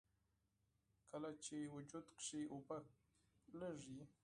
کله چې وجود کښې اوبۀ کمې وي